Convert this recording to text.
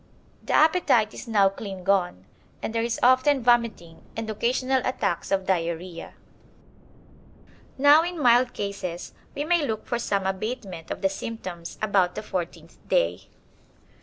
The appetite is now clean gone, and there is often vomiting and occasional attacks of diarrhoea. Now in mild cases we may look for some abatement of the symptoms about the fourteenth day.